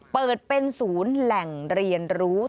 เปิดเป็นศูนย์แหล่งเรียนรู้